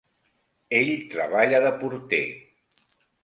Ell treballa de porter.